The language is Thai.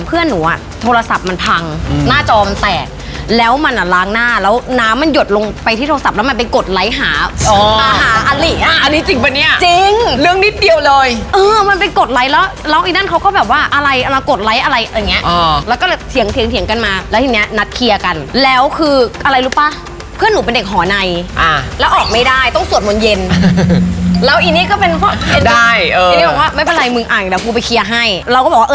เพื่อนหนูอะโทรศัพท์มันพังหน้าจอมแตกแล้วมันล้างหน้าแล้วน้ำมันหยดลงไปที่โทรศัพท์แล้วมันไปกดไลค์หา